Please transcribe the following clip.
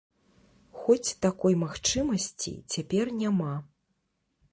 Хоць такой магчымасці цяпер няма.